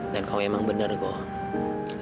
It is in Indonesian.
dan kamu emang bener kok